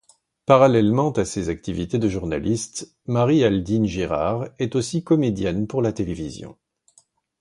Parallèlement à ses activités de journaliste, Marie-Aldine Girard est aussi comédienne pour la télévision.